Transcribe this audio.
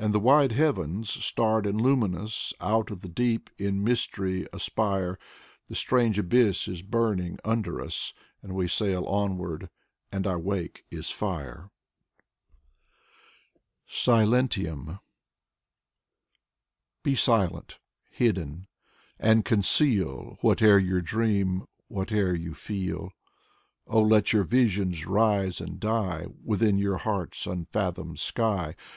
And the wide heavens, starred and luminous, Out of the deep in mystery aspire. The strange abyss is burning under us ; And we sail onward, and our wake is fire. 26 Fyodor Tyutchev SILENTIUM 1 ^ Be silent, hidden, and conceal Whatever you dream, whatever you feel. Oh, let your visions rise and die Within your heart's unfathomed sky.